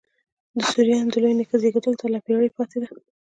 د سوریانو د لوی نیکه زېږېدلو ته لا پېړۍ پاته دي.